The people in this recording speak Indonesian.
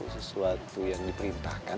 sesuatu yang diperintahkan kan